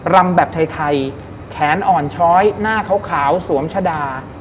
รำแบบไทยแขนอ่อนช้อยหน้าขาวสวมชะดา